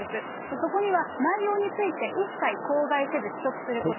そこには、内容について一切口外せず秘匿すること。